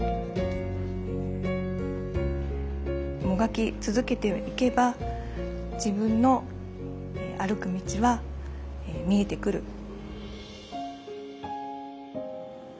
もがき続けていけば自分の歩く道は見えてくる。